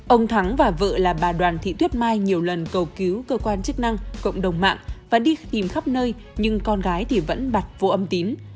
ông thắng và vợ là bà đoàn thị tuyết mai nhiều lần cầu cứu cơ quan chức năng cộng đồng mạng và đi tìm khắp nơi nhưng con gái thì vẫn bật vô âm tín